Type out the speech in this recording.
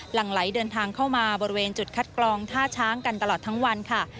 หลังไหลเดินทางเข้ามาบริเวณจุดคัดกรองท่าช้างกันตลอดทั้งวันค่ะ